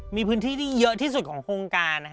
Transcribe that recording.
มีพื้นที่ที่เยอะที่สุดของโครงการ